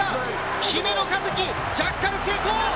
姫野和樹ジャッカル成功！